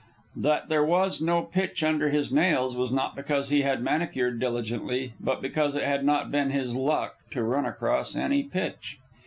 That there was no pitch under his nails was not because he had manicured diligently, but because it had not been his luck to run across any pitch.